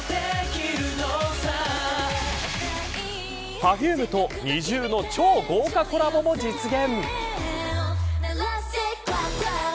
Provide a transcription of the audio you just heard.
ＰｅｒｆｕｍｅとＮｉｚｉＵの超豪華コラボも実現。